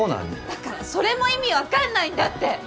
だからそれも意味わかんないんだって！